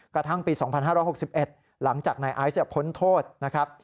กระทั่งปี๒๕๖๑หลังจากนายไอซ์พ้นโทษนะครับ